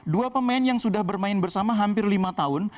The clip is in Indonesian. dua pemain yang sudah bermain bersama hampir lima tahun